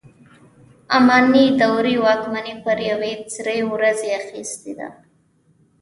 اماني دورې واکمني پر یوې سرې ورځې اخیستې ده.